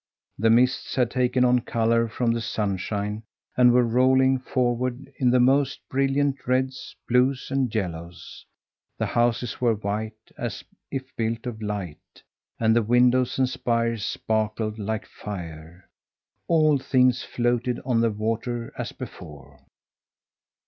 The mists had taken on colour from the sunshine and were rolling forward in the most brilliant reds, blues, and yellows. The houses were white, as if built of light, and the windows and spires sparkled like fire. All things floated on the water as before.